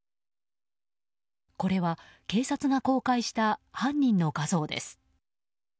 これは警察が公開した犯人の画像です。